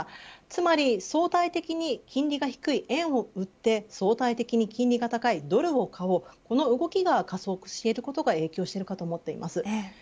つまり、相対的に金利が低い円を売って相対的に金利が高いドルを買おう、という動きが加速していることが影響していると思っています。